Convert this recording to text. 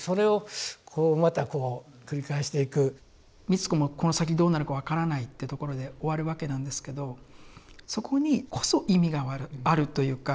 美津子もこの先どうなるか分からないってところで終わるわけなんですけどそこにこそ意味があるというか。